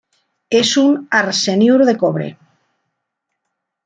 Es un arseniuro de cobre.